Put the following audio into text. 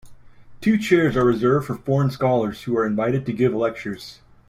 Two chairs are reserved for foreign scholars who are invited to give lectures.